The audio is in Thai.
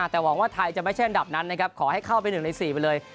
แต่หวังว่าไทยจะไม่ใช่อันดับนั้นนะครับขอให้เข้าไป๑ใน๔ไปเลย